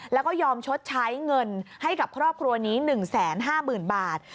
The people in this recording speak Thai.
แล้วก็ยอมชดใช้เงินให้กับครอบครัวนี้๑๕๐๐๐บาท